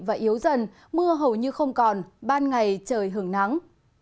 và yếu dần mưa hầu như không còn ban ngày trời hưởng nắng